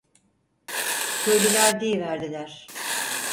Köylüler diyiverdiler!